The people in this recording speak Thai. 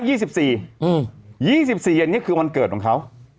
๒๔อันนี้คือวันเกิดของเขา